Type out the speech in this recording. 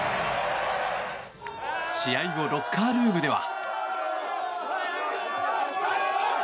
試合後、ロッカールームでは。